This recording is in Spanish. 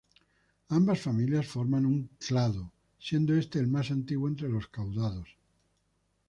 Ambas familias forman un clado, siendo este el más antiguo entre los caudados.